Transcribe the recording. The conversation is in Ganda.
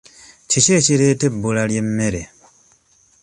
Kiki ekireeta ebbula ly'emmere?